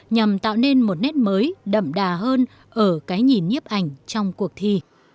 nhằm tạo nên một nét mới đậm đà hơn ở cái nhìn nhếp ảnh trong cuộc thi